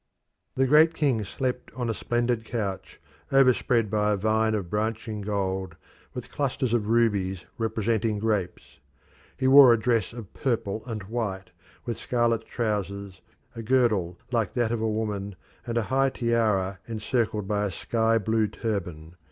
The Great King slept on a splendid couch, overspread by a vine of branching gold, with clusters of rubies representing grapes. He wore a dress of purple and white, with scarlet trousers, a girdle like that of a woman, and a high tiara encircled by a sky blue turban.